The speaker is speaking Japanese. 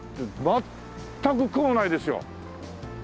全く雲ないですよ！